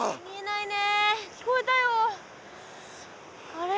あれ？